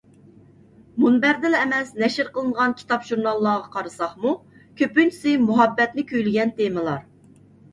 مۇنبەردىلا ئەمەس، نەشر قىلىنغان كىتاب-ژۇرناللارغا قارىساقمۇ، كۆپىنچىسى مۇھەببەتنى كۈيلىگەن تېمىلار.